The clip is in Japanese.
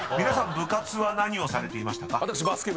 ［皆さん部活は何をされていましたか？］